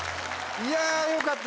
いやよかった